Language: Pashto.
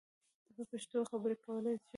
ته په پښتو خبری کولای شی!